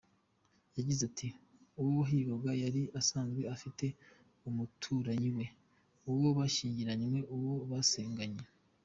Yagize ati “Uwo wahigwaga yari asanzwe afite umuturanyi we, uwo bashyingiranywe, uwo basenganye.